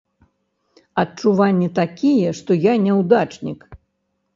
Адчуванні такія, што я няўдачнік.